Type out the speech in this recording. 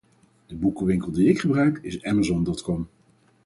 De boekenwinkel die ik gebruik is Amazon.com.